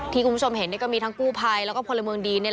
คุณผู้ชมเห็นก็มีทั้งกู้ภัยแล้วก็พลเมืองดี